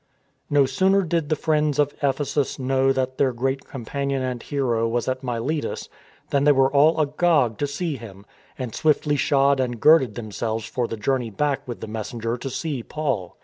No sooner did the friends of Ephesus know that their great companion and hero was at Miletus than they were all agog to see him, and swiftly shod and girded themselves for the journey back with the messenger to see Paul.